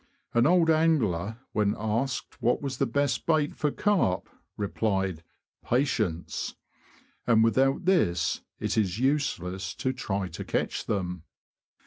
An old angler, when asked what was the best bait for carp, replied, '' Patience ;" and without this it is useless to try to catch them.